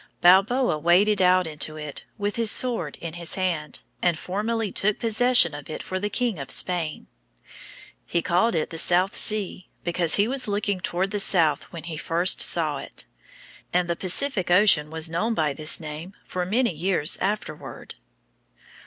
Balboa waded out into it with his sword in his hand, and formally took possession of it for the King of Spain. He called it the South Sea, because he was looking toward the south when he first saw it; and the Pacific Ocean was known by this name for many years afterward.